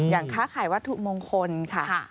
ค้าขายวัตถุมงคลค่ะ